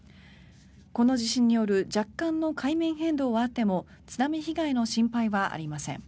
この地震による若干の海面変動はあっても津波被害の心配はありません。